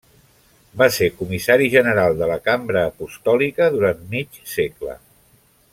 Va ser comissari general de la Cambra Apostòlica durant mig segle.